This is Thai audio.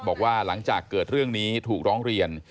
บอกว่าหลังจากเกิดเรื่องนี้ถูกร้องเรียน